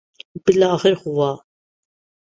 بالآخر ہوا۔